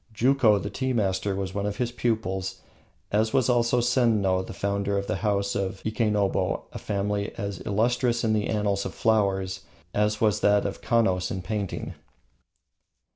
Juko, the tea master, was one of his pupils, as was also Senno, the founder of the house of Ikenobo, a family as illustrious in the annals of flowers as was that of the Kanos in painting.